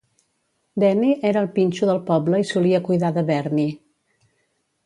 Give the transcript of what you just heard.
Danny era el pinxo del poble i solia cuidar de Bernie.